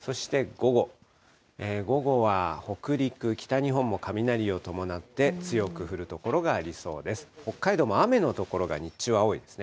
午後は北陸、北日本も雷を伴って強く降る所がありそうです。